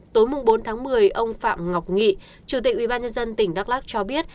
tối bốn tháng một mươi ông phạm ngọc nghị chủ tịch ubnd tỉnh đắk lắc cho biết